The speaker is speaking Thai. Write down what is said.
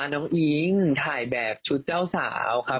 น้องอิ๊งถ่ายแบบชุดเจ้าสาวครับ